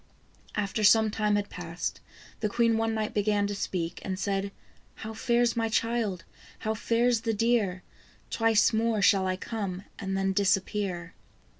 After some time had passed, the queen one night began to speak, and said :" How fares my child ? how fares the deer ? Twice more shall I come, and then disappear."